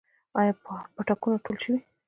آیا پاټکونه ټول شوي؟